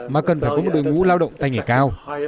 mà cần phải có một đội ngũ lao động tay nghề cao